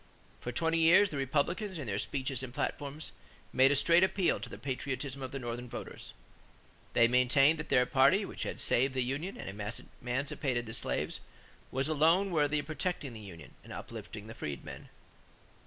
For twenty years, the Republicans, in their speeches and platforms, made "a straight appeal to the patriotism of the Northern voters." They maintained that their party, which had saved the union and emancipated the slaves, was alone worthy of protecting the union and uplifting the freedmen.